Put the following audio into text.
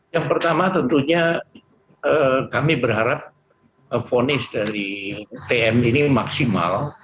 yang pertama tentunya kami berharap vonis dari tm ini maksimal